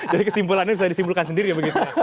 jadi kesimpulannya bisa disimpulkan sendiri ya begitu